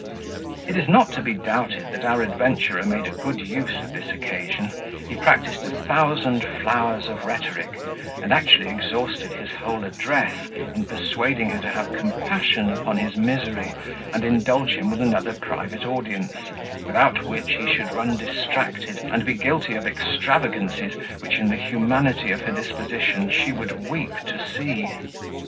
It is not to be doubted that our adventurer made a good use of this occasion: he practised a thousand flowers of rhetoric, and actually exhausted his whole address, in persuading her to have compassion upon his misery, and indulge him with another private audience, without which he should run distracted, and be guilty of extravagancies which, in the humanity of her disposition, she would weep to see.